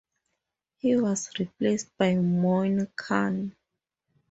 He was replaced by Moin Khan.